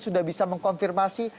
sudah bisa mengkonfirmasi